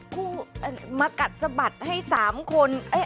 คู่มากัดสะบัดให้๓คน